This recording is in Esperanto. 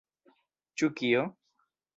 Ĉu kio?